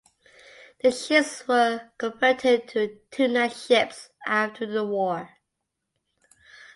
The ships were converted to tuna ships after the war.